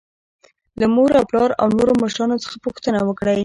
له مور او پلار او نورو مشرانو څخه پوښتنه وکړئ.